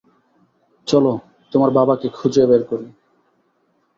চলো, তোমার বাবাকে খুঁজে বের করি।